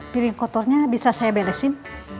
piring kotornya bisa saya beresin